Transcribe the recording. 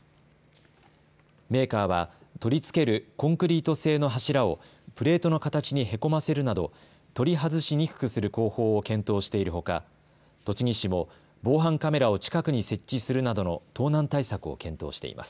メーカーは取り付けるコンクリート製の柱をプレートの形にへこませるなど取り外しにくくする工法を検討しているほか栃木市も防犯カメラを近くに設置するなどの盗難対策を検討しています。